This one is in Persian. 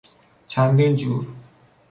چندین جور....